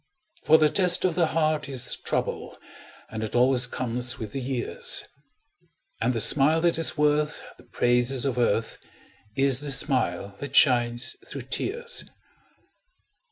For the test of the heart is trouble, And it always comes with the years, And the smile that is worth the praises of earth Is the smile that shines through tears.